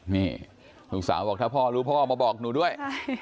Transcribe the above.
นี่ลูกสาวบอกถ้าพ่อรู้พ่อมาบอกหนูด้วย